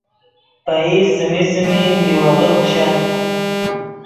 پئیز څیمی څیمی میوغے پیشت